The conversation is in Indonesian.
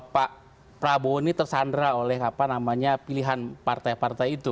pak prabowo ini tersandra oleh pilihan partai partai itu